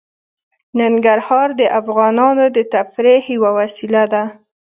ننګرهار د افغانانو د تفریح یوه وسیله ده.